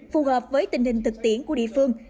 phù hợp với tình hình thực tiễn của địa phương